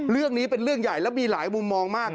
เรื่องนี้เป็นเรื่องใหญ่แล้วมีหลายมุมมองมาก